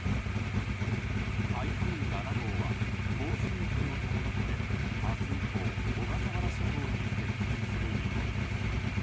台風７号は暴風域を伴って明日以降小笠原諸島に接近する見込みです。